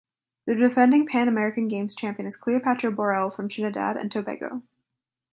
The defending Pan American Games champion is Cleopatra Borel from Trinidad and Tobago.